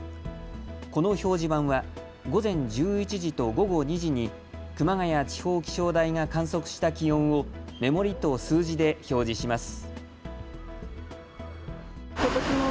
この表示板は午前１１時と午後２時に熊谷地方気象台が観測した気温を目盛りと数字で表示します。